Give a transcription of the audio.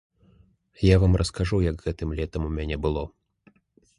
Я вам раскажу, як гэтым летам у мяне было.